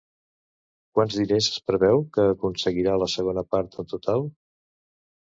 Quants diners es preveu que aconseguirà la segona part en total?